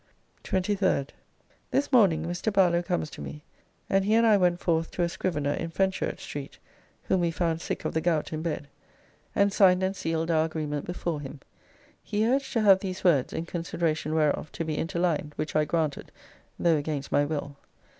23rd. This morning Mr. Barlow comes to me, and he and I went forth to a scrivener in Fenchurch Street, whom we found sick of the gout in bed, and signed and sealed our agreement before him. He urged to have these words (in consideration whereof) to be interlined, which I granted, though against my will.